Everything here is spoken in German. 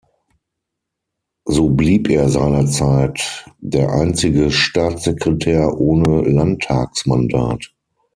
So blieb er seinerzeit der einzige Staatssekretär ohne Landtagsmandat.